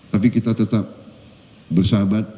tapi kita tetap bersahabat